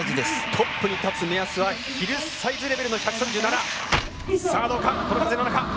トップに立つ目安はヒルサイズレベルの１３７。